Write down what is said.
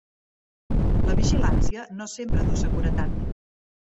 La vigilància no sempre du seguretat.